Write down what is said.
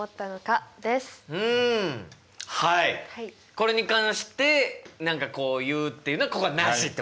これに関して何か言うというのはここはなしってこと？